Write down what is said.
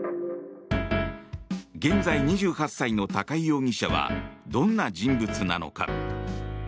現在、２８歳の高井容疑者はどんな人物なのか。